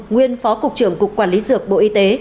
nguyên phó cục trưởng cục quản lý dược bộ y tế